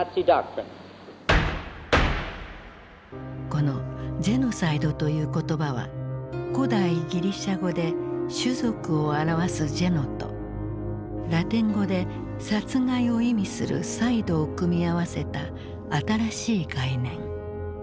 この「ジェノサイド」という言葉は古代ギリシャ語で「種族」を表す「ジェノ」とラテン語で「殺害」を意味する「サイド」を組み合わせた新しい概念。